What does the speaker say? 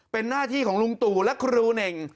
เป็นหน้าที่ของลุงตู่และครูเน่ง